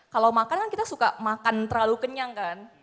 kalau makan kan kita suka makan terlalu kenyang kan